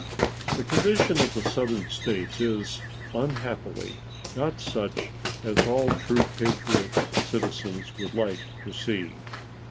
The condition of the Southern States is, unhappily, not such as all true patriotic citizens would like to see.